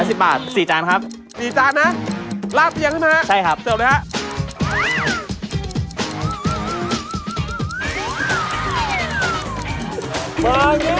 ๔จานนะราดเจียงใช่ไหมครับเปิดนะครับใช่ครับ